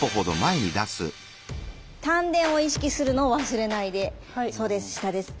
丹田を意識するのを忘れないでそうです下です。